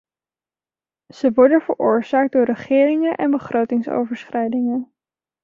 Ze worden veroorzaakt door regeringen en begrotingsoverschrijdingen.